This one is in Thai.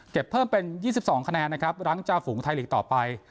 เก็บเพิ่มเป็นยี่สิบสองคะแนนนะครับหลังจาฝุงไทยลีกต่อไป